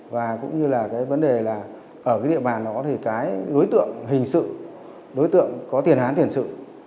và cũng như là vấn đề là ở địa bản đó thì cái đối tượng hình sự đối tượng có tiền hán tiền sự